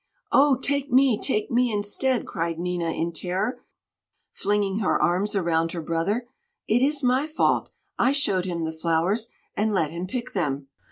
"Oh! take me, take me instead," cried Nina in terror, flinging her arms around her brother. "It is my fault! I showed him the flowers, and let him pick them.